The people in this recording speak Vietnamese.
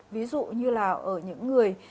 ví dụ như là ở những người